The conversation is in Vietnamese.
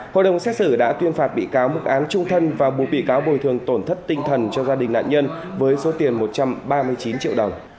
hội đồng xét xử đã tuyên phạt bị cáo mức án trung thân và buộc bị cáo bồi thường tổn thất tinh thần cho gia đình nạn nhân với số tiền một trăm ba mươi chín triệu đồng